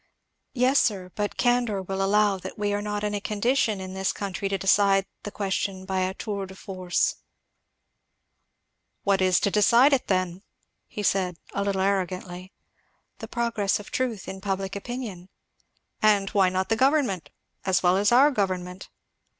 "Yes, sir, but candour will allow that we are not in a condition in this country to decide the question by a tour de force." "What is to decide it then?" said he a little arrogantly. "The progress of truth in public opinion." "And why not the government as well as our government?"